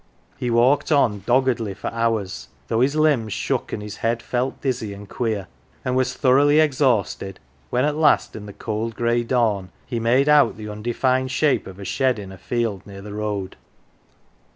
He walked on doggedly for hours, though his limbs shook and his head felt dizzy and queer, and was thoroughly exhausted when at last in the cold grey dawn he made out the undefined shape of a shed in a field near the road.